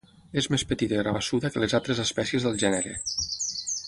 És més petita i rabassuda que les altres espècies del gènere.